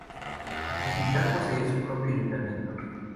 La comunidad posee su propio ayuntamiento.